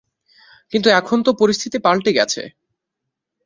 কিন্তু এখন তো পরিস্থিতি পাল্টে গেছে।